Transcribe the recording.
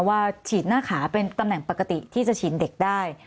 ว่าฉีดหน้าขาเป็นตำแหน่งปกติที่จะฉีดเด็กได้